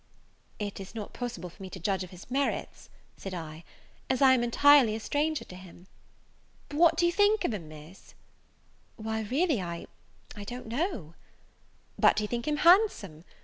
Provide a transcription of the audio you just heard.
"It is not possible for me to judge of his merits," said I, "as I am entirely a stranger to him." "But what do you think of him, Miss?" "Why, really, I I don't know." "But do you think him handsome?